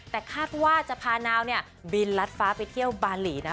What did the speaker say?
แต่คาดว่าจะพานาวเนี่ยบินรัดฟ้าไปเที่ยวบาหลีนะ